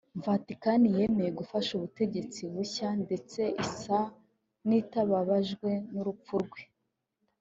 Vaticani yemeye gufasha ubutegetsi bushya ndetse isa n’itababajwe n’urupfu rwe